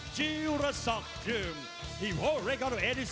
เชื่อมันโปรเยอร์อนทองผักจินด้า